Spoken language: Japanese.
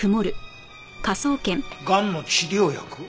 がんの治療薬？